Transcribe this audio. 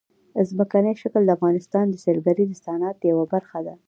ځمکنی شکل د افغانستان د سیلګرۍ د صنعت یوه برخه ده.